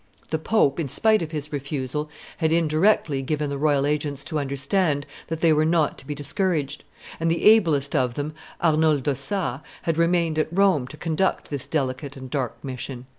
The pope, in spite of his refusal, had indirectly given the royal agents to understand that they were not to be discouraged; and the ablest of them, Arnold d'Ossat, had remained at Rome to conduct this delicate and dark commission.